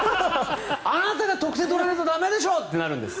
あなたが得点を取らないと駄目でしょ！ってなるんです。